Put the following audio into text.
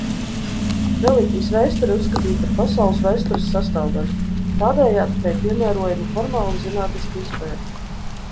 Reliģijas vēsturi uzskatīja par pasaules vēstures sastāvdaļu, tādējādi tai piemērojama formāli zinātniska izpēte.